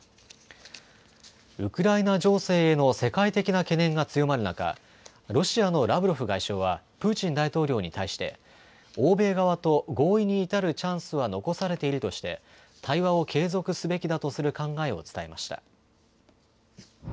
ウクライナ情勢への世界的な懸念が強まる中、ロシアのラブロフ外相はプーチン大統領に対して、欧米側と合意に至るチャンスは残されているとして対話を継続すべきだとする考えを伝えました。